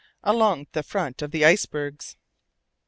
ALONG THE FRONT OF THE ICEBERGS.